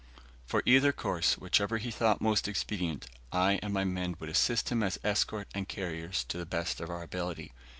For either course, whichever he thought most expedient, I and my men would assist him as escort and carriers, to the best of our ability.